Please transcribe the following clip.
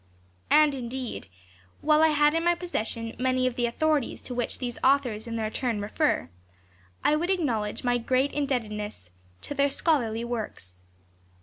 And, indeed, while I PREFACE. vii had in my possession many of the authorities to which these authors in their turn refer, I would acknowledge my great indebtedness to their scholarly works.